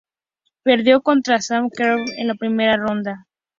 Perdió contra Sam Querrey en la primera ronda.